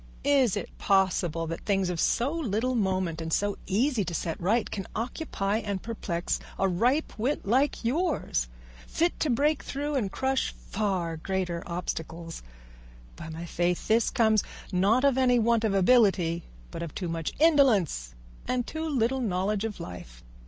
Is it possible that things of so little moment and so easy to set right can occupy and perplex a ripe wit like yours, fit to break through and crush far greater obstacles? By my faith, this comes, not of any want of ability, but of too much indolence and too little knowledge of life.